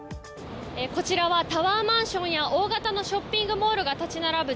こちらはタワーマンションや大型のショッピングモールが立ち並ぶ